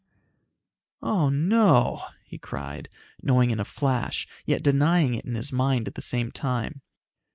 "Oh no!" he cried, knowing in a flash, yet denying it in his mind at the same time.